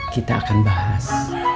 kita akan bahas